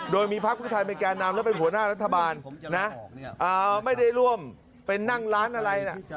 โดยมีภาพพฤทธัณฑ์ไปแก่นามแล้วเป็นหัวหน้ารัฐบาลไม่ได้ร่วมไปนั่งร้านอะไรน่ะ